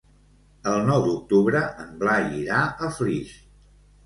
El nou d'octubre en Blai irà a Flix.